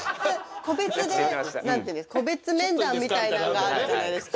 個別で個別面談みたいなのがあるじゃないですか。